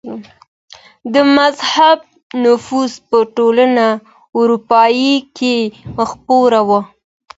د مذهب نفوذ په ټوله اروپا کي خپور و.